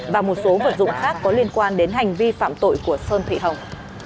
và một số vật dụng khác có liên quan đến hành vi phạm tội của sơn thị hồng